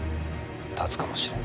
立つかもしれん。